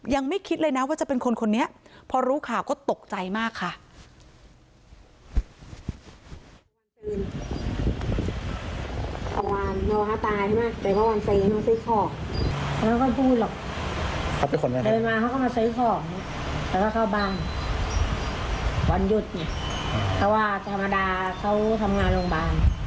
ยังไม่คิดเลยนะว่าจะเป็นคนคนนี้พอรู้ข่าวก็ตกใจมากค่ะ